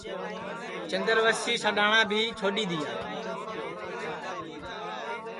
چندوسی سڈؔاٹؔا بھی چھوڈؔی دؔیا